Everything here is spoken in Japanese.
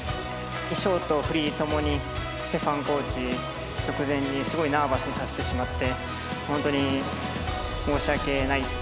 ショートフリーともにステファンコーチ直前にすごいナーバスにさせてしまって本当に申し訳ない。